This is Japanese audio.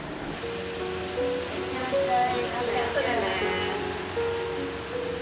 いってらっしゃい。